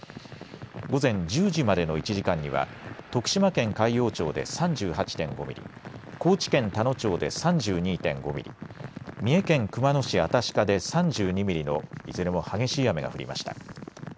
午前１０時までの１時間には徳島県海陽町で３８．５ミリ、高知県田野町で３２．５ミリ、三重県熊野市新鹿で３２ミリのいずれも激しい雨が降りました。